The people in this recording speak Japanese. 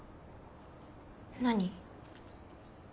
何？